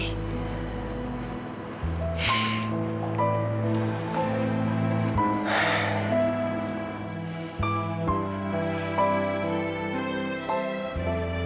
karena akhirnya kamu bisa tinggal disini